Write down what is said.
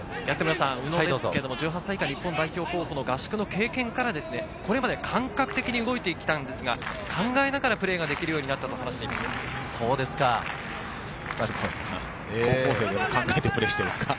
宇野ですが１８歳以下日本代表の合宿の経験から、これまで感覚的に動いてきたんですが、考えながらプレーができるようになったと話しています。